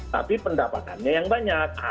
tapi pendapatannya yang banyak